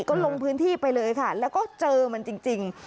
ก็ลงพื้นที่ไปเลยค่ะแล้วก็เจอมันจริง